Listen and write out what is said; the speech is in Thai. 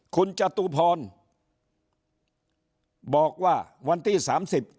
คุณจตุพรบอกว่าวันที่๓๐นัดหมายกันที่๔โมง